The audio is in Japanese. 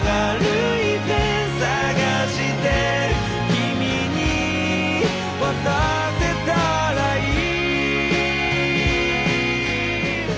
「君に渡せたらいい」